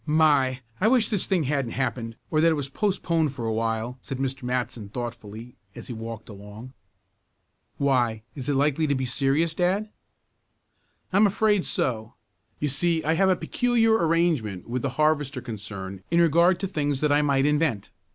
"My! I wish this thing hadn't happened, or that it was postponed for a while," said Mr. Matson thoughtfully as he walked along. "Why, is it likely to be serious, dad?" "I'm afraid so. You see I have a peculiar arrangement with the harvester concern in regard to things that I might invent.